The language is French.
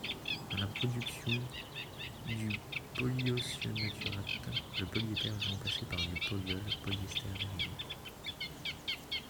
Dans la production du polyisocyanurate, le polyéther est remplacé par du polyol polyester dérivé.